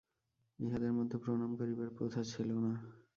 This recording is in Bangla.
ইহাদের মধ্যে প্রণাম করিবার প্রথা ছিল না।